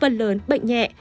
phần lớn bệnh nhẹ